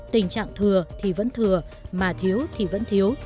tình trạng thừa thì vẫn thừa mà thiếu thì vẫn thiếu